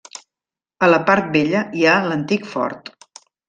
A la part vella hi ha l'antic fort.